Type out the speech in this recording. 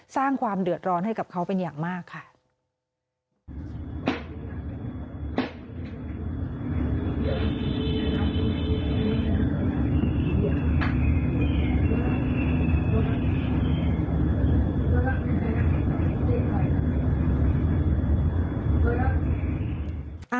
สร้างความเดือดร้อนให้กับเขาเป็นอย่างมากค่ะ